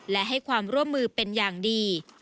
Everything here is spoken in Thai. และให้ความร่วมมือเป็นอย่างดี